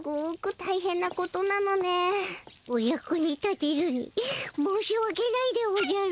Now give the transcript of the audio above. お役に立てずに申しわけないでおじゃる。